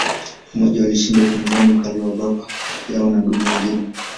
Pamoja, walishinda upinzani mkali wa baba yao na ndugu wengine.